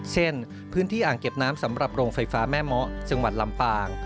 เช่นพื้นที่อ่างเก็บน้ำสำหรับโรงไฟฟ้าแม่เมาะจังหวัดลำปาง